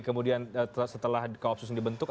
kemudian setelah koopsus dibentuk